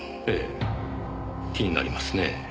ええ気になりますねえ。